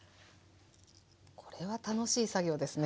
これは楽しい作業ですね。